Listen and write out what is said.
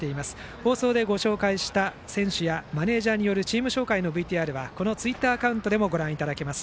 放送でご紹介した選手やマネージャーによるチーム紹介のＶＴＲはこのツイッターアカウントでもご覧いただけます。